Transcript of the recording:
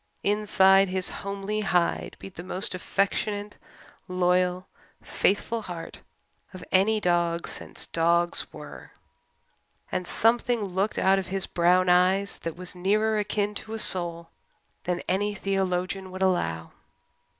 Inside his homely hide beat the most affectionate, loyal, faithful heart of any dog since dogs were; and something looked out of his brown eyes that was nearer akin to a soul than any theologian would allow.